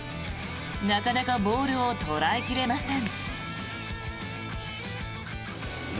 なかなかボールを捉え切れません。